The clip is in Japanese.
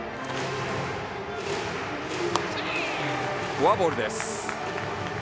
フォアボールです。